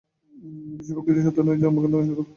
বিশ্বপ্রকৃতির সাধ্য নাই যে, আমাকে ধ্বংস করে।